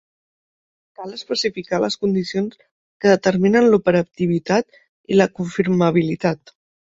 Cal especificar les condicions que determinen l'operativitat i la confirmabilitat.